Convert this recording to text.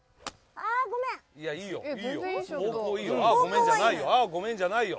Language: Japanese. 「あごめん」じゃないよ。